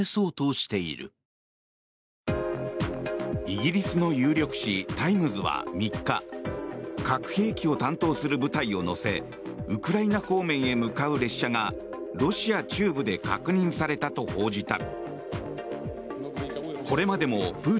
イギリスの有力紙、タイムズは３日核兵器を担当する部隊を乗せウクライナ方面へ向かう列車がロシア中部で確認されたと報じた。